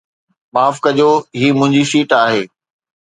معاف ڪجو، هي منهنجي سيٽ آهي